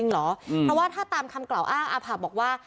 เพราะว่าถ้าตามคำกล่าวอ้างอาผะบอกว่า